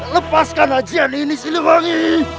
lepaskan ajihan ini sirewangi